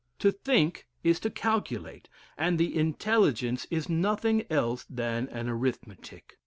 To think, is to calculate; and intelligence is nothing else than an arithmetic.